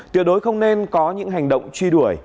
tuyệt đối không nên có những hành động truy đuổi